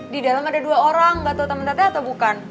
di dalam ada dua orang gak tau temen teh atau bukan